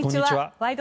「ワイド！